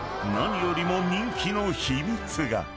［何よりも人気の秘密が］